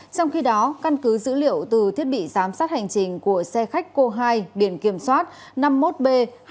trong khi đó căn cứ dữ liệu từ thiết bị giám sát hành trình của xe khách cô hai biển kiểm soát năm mươi một b hai nghìn một mươi tám